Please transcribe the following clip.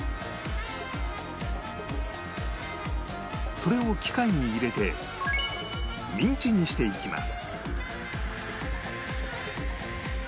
それを機械に入れてミンチにしていきます